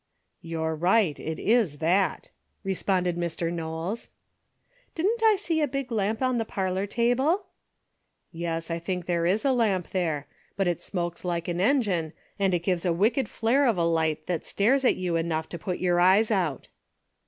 "You're right; it is that," responded Mr. Knowles. "Didn't I see a big lamp on the parlor table ?"" Yes, I think there is a lamp there, but it smokes like an engine, and it gives a wicked flare of a light that stares at you enough to put your eyes out."